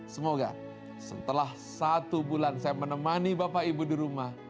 semoga setelah satu bulan saya menemani anda